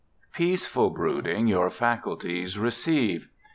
Peaceful brooding your faculties receive.